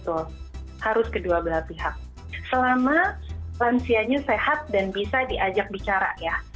betul harus kedua belah pihak selama lansianya sehat dan bisa diajak bicara ya